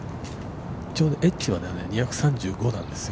◆ちょうどエッジは２３５なんですよ。